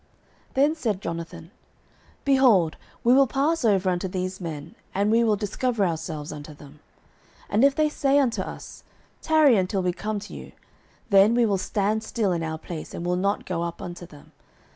09:014:008 Then said Jonathan, Behold, we will pass over unto these men, and we will discover ourselves unto them. 09:014:009 If they say thus unto us, Tarry until we come to you; then we will stand still in our place, and will not go up unto them.